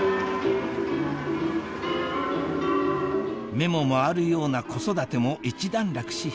目も回るような子育ても一段落し